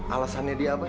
alasannya dia apa